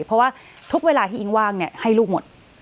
เพราะว่าทุกเวลาที่อิ๊งว่างให้ลูกหมด